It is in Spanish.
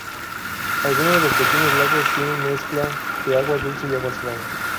Algunos de los pequeños lagos tienen mezcla de agua dulce y agua salada.